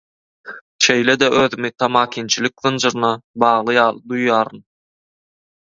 Şeýle-de özümi tamakinçilik zynjyryna bagly ýaly duýýaryn.